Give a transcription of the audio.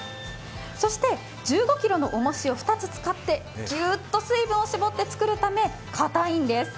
そして、１５ｋｇの重しを２つ使ってぎゅーっと水分を絞っているためかたいんです。